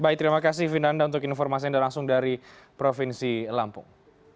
baik terima kasih vindanda untuk informasinya dan langsung dari provinsi lampung